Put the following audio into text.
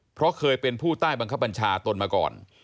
เพราะเคยเป็นผู้ใต้บังคับบัญชาตนมาก่อน